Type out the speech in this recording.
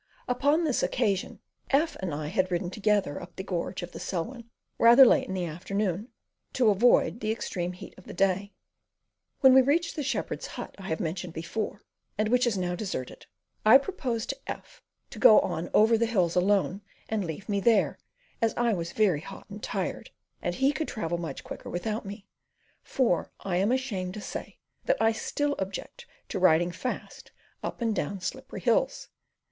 Upon this occasion F and I had ridden together up the gorge of the Selwyn rather late in the afternoon, to avoid the extreme heat of the day. When we reached the shepherd's hut I have before mentioned, and which is now deserted, I proposed to F to go on over the hills alone and leave me there, as I was very hot and tired, and he could travel much quicker without me for I am ashamed to say that I still object to riding fast up and down slippery hills.